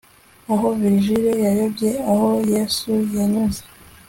Aho Virgil yayobye aho Yesu yanyuze